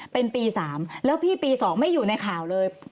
เป็นปี๓แล้วพี่ปี๒ไม่อยู่ในข่าวเลย